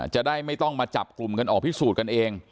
จะได้ไม่ต้องมาจับกลุ่มกันออกพิสูจน์กันเอง